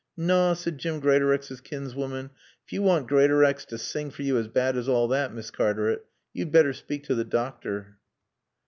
"Naw," said Jim Greatorex's kinswoman, "if you want Greatorex to sing for you as bad as all that, Miss Cartaret, you'd better speak to the doctor."